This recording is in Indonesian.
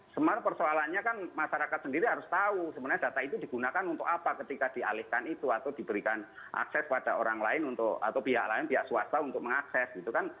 sebenarnya persoalannya kan masyarakat sendiri harus tahu sebenarnya data itu digunakan untuk apa ketika dialihkan itu atau diberikan akses pada orang lain atau pihak lain pihak swasta untuk mengakses gitu kan